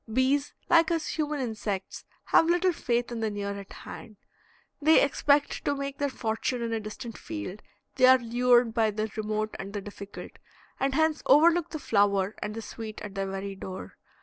Bees, like us human insects, have little faith in the near at hand; they expect to make their fortune in a distant field, they are lured by the remote and the difficult, and hence overlook the flower and the sweet at their very door.